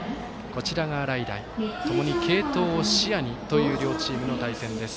洗平、ともに継投を視野にという両チームの対戦です。